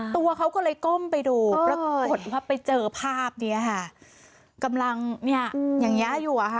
ตัวเขาก็เลยก้มไปดูปรากฏว่าไปเจอภาพเนี้ยค่ะกำลังเนี่ยอย่างเงี้ยอยู่อ่ะค่ะ